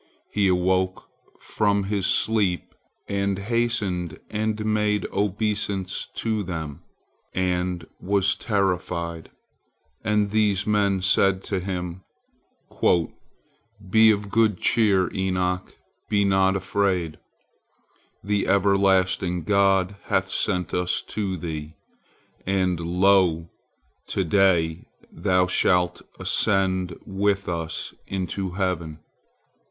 He awoke from his sleep, and hastened and made obeisance to them, and was terrified. And these men said to him: "Be of good cheer, Enoch, be not afraid; the everlasting God hath sent us to thee, and lo! to day thou shalt ascend with us into heaven.